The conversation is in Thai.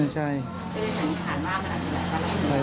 ใช่